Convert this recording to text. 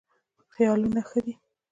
خیالونه ښه دي.